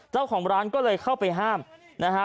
เจ้าของร้านก็เลยเข้าไปห้ามนะฮะ